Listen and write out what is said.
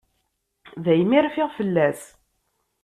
Daymi rfiɣ fell-as.